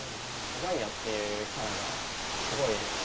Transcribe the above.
ガイアっていうキャラがすごい